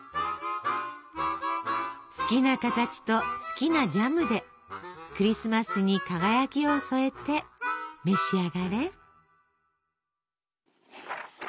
好きな形と好きなジャムでクリスマスに輝きを添えて召し上がれ！